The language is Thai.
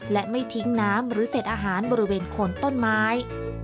และไม่ทิ้งน้ำหรือเศษอาหารบริเวณโคนต้นไม้